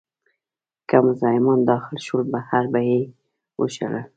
که مزاحمان داخل شول، بهر به یې وشړل.